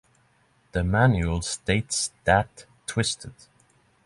The manual states that Twisted!